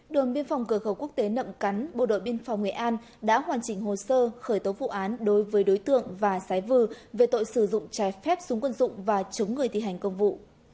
đồn biên phòng cửa khẩu quốc tế nậm cắn bộ đội biên phòng nghệ an đã hoàn chỉnh hồ sơ khởi tố vụ án đối với đối tượng và sái vừ về tội sử dụng trái phép súng quân dụng và chống người thi hành công vụ